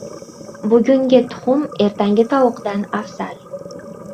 • Bugungi tuxum ertangi tovuqdan afzal.